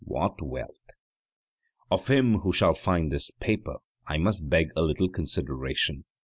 What wealth! Of him who shall find this paper I must beg a little consideration.